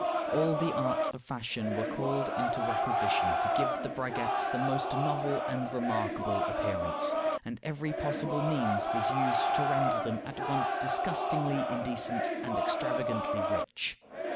All the arts of fashion were called into requisition to give the braguettes the most novel and remarkable appearance, and every possible means was used to render them at once disgustingly indecent and extravagantly rich.